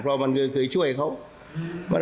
เพราะมันเคยช่วยเขา